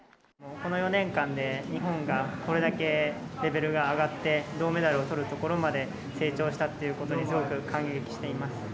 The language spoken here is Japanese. この４年間で日本がこれだけレベルが上がって銅メダルをとるところまで成長したっていうところにすごく感激しています。